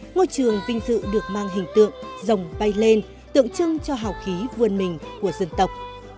ngôi trường vinh dự được mang hình tượng dòng bay lên tượng trưng cho hào khí vươn mình của dân tộc